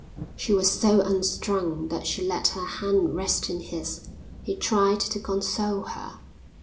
She was so unstrung that she let her hand rest in his. He tried to console her.